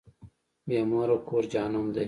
بی موره کور جهنم دی.